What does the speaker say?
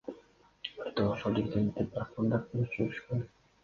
Өрттү ошол жерден өтүп бараткандар өчүрүшкөн.